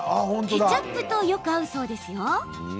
ケチャップとよく合うそうですよ。